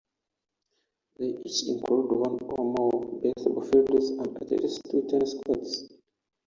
They each include one or more baseball fields and at least two tennis courts.